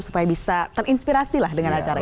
supaya bisa terinspirasi lah dengan acara ini